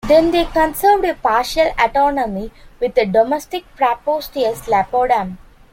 Then they conserved a partial autonomy with a domestic "praepositus Iapodum".